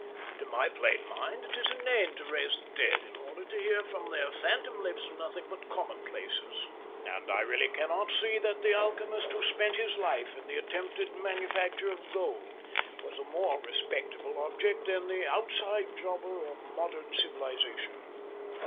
To my plain mind, it is inane to raise the dead in order to hear from their phantom lips nothing but commonplaces. And I really cannot see that the alchemist who spent his life in the attempted manufacture of gold was a more respectable object than the outside jobber of modern civilization."